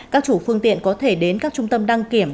các chủ phương tiện có thể đến các trung tâm đăng kiểm